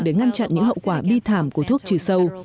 để ngăn chặn những hậu quả bi thảm của thuốc chứa sọc